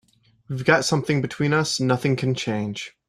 We've got something between us nothing can change.